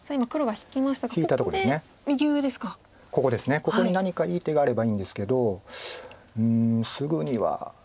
ここに何かいい手があればいいんですけどうんすぐには。